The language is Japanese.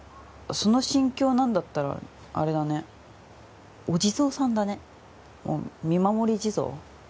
その心境なんだったらあれだねお地蔵さんだねもう見守り地蔵？